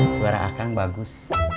suara akang bagus